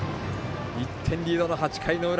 １点リードの８回裏。